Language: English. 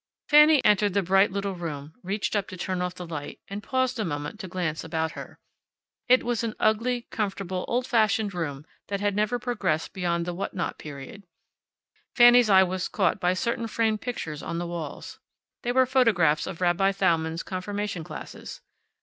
Fanny entered the bright little room, reached up to turn off the light, and paused a moment to glance about her. It was an ugly, comfortable, old fashioned room that had never progressed beyond the what not period. Fanny's eye was caught by certain framed pictures on the walls. They were photographs of Rabbi Thalmann's confirmation classes.